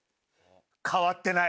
変わってない。